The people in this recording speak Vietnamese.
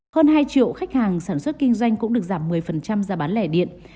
hơn hai triệu khách hàng sản xuất kinh doanh cũng được giảm một mươi giá bán lẻ điện